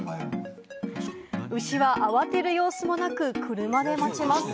牛は慌てる様子もなく、車で待ちます。